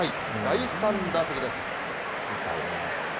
第３打席です。